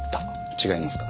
違いますか？